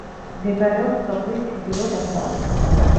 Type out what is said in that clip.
მდებარეობს სოფლის ჩრდილო-დასავლეთით.